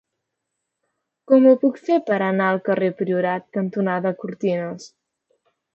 Com ho puc fer per anar al carrer Priorat cantonada Cortines?